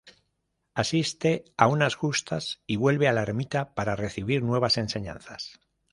Asiste a unas justas y vuelve a la ermita para recibir nuevas enseñanzas.